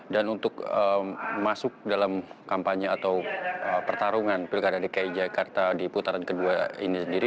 dan untuk masuk dalam kampanye atau pertarungan pilkada dki jakarta di putaran kedua ini sendiri